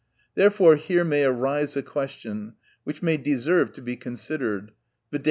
Therefore here may arise a question, which may deserve to be considered viz.